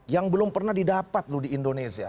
yang belum pernah didapat loh di indonesia